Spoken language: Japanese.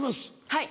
はい。